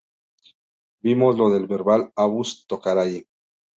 Vimos lo de Verbal Abuse tocar ahí.